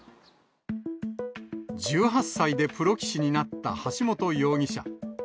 １８歳でプロ棋士になった橋本容疑者。